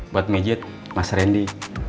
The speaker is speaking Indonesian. buat pijit mas randy